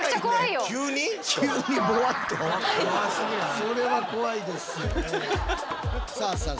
それは怖いですね。